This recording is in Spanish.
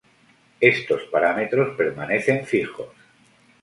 Estos parámetros permanecen fijos.